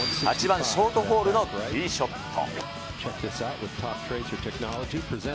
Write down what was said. ８番ショートホールのティーショット。